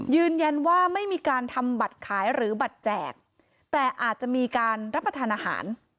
ยืนยันว่าไม่มีการทำบัตรขายหรือบัตรแจกแต่อาจจะมีการรับประทานอาหาร